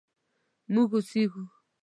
مونږ اوسیږو